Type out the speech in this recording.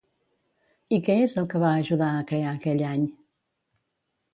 I què és el que va ajudar a crear aquell any?